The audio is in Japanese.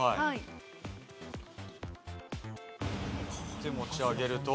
で持ち上げると。